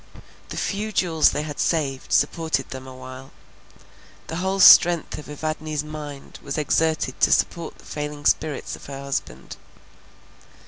The few jewels they had saved, supported them awhile. The whole strength of Evadne's mind was exerted to support the failing spirits of her husband.